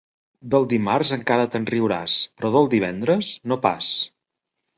Del dimarts encara te'n riuràs, però del divendres, no pas.